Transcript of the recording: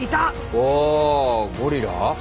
おおゴリラ？